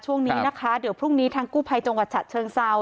ช่วงนี้นะคะเดี๋ยวพรุ่งนี้ทางกู้ภัยจังหวัดฉะเชิงเซา